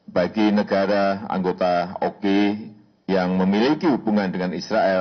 bagi negara anggota oki yang memiliki hubungan dengan israel